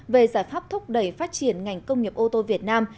về giải pháp thúc đẩy phát triển ngành công nghiệp ô tô việt nam